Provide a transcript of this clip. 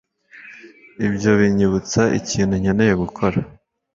Ibyo binyibutsa ikintu nkeneye gukora